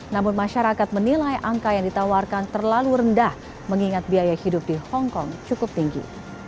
namun masyarakat menilai angka yang ditawarkan terlalu rendah mengingat biaya hidup di hongkong cukup tinggi